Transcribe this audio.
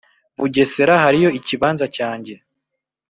bugesera hariyo ikibanza cyanjye